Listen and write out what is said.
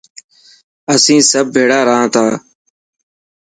اسين سڀ ڀيڙا رهان ٿا.